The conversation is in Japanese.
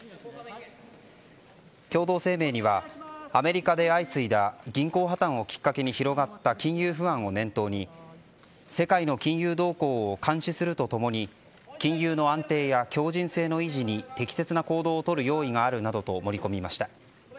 共同声明にはアメリカで相次いだ銀行破綻をきっかけに広がった金融不安を念頭に世界の金融動向を監視するとともに金融の安定や強靭性の維持に適切な行動を取る用意があるなどと盛り込みました。